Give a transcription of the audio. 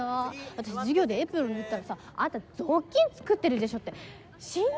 私授業でエプロン縫ったらさあんた雑巾作ってるでしょって信じられる？